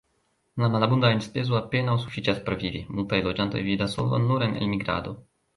La malabunda enspezo apenaŭ sufiĉas por vivi, multaj loĝantoj vidas solvon nur en elmigrado.